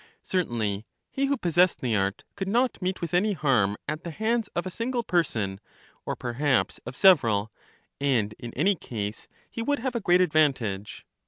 Certainly he who possessed the art could not meet with any harm at the hands of a single person, or perhaps of several; and in any case he would have a great advantage.